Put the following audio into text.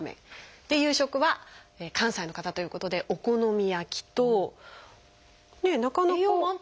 夕食は関西の方ということでお好み焼きとなかなか。